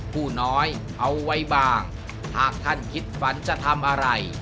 ผู้น้อยเอาไว้บ้างหากท่านคิดฝันจะทำอะไร